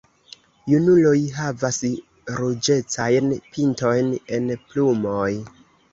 Junuloj havas ruĝecajn pintojn en plumoj.